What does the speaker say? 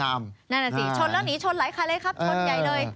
นั่นน่ะสิชนแล้วหนีชนหลายคันเลยครับชนใหญ่เลย